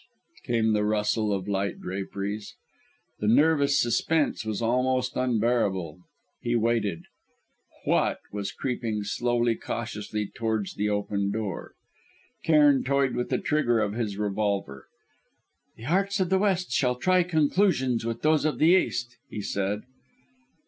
Sssf! ssf! came, like the rustle of light draperies. The nervous suspense was almost unbearable. He waited. What was creeping, slowly, cautiously, towards the open door? Cairn toyed with the trigger of his revolver. "The arts of the West shall try conclusions with those of the East," he said.